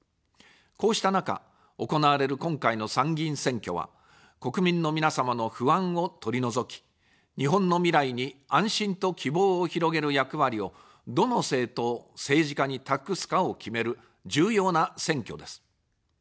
こうした中、行われる今回の参議院選挙は、国民の皆様の不安を取り除き、日本の未来に安心と希望を広げる役割を、どの政党、政治家に託すかを決める重要な選挙です。